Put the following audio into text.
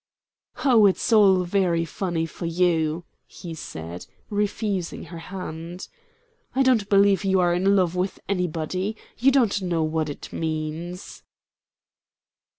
"Oh, it's all very funny for you," he said, refusing her hand. "I don't believe you are in love with anybody. You don't know what it means."